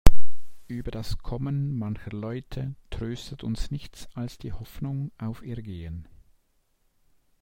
Über das Kommen mancher Leute tröstet uns nichts als die Hoffnung auf ihr Gehen.